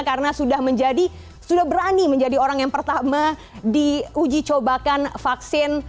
karena sudah berani menjadi orang yang pertama di uji cobakan vaksin